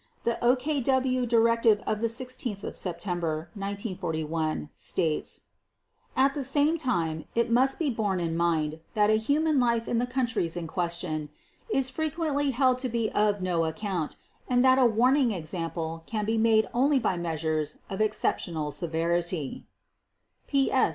The OKW directive of 16 September 1941, states: "At the same time, it must be borne in mind that a human life in the countries in question is frequently held to be of no account and that a warning example can be made only by measures of exceptional severity" (PS 389).